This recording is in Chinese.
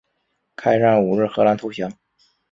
开战五日荷兰投降。